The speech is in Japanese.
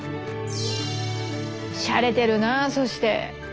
しゃれてるなそして。